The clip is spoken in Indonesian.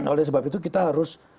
oleh sebab itu kita harus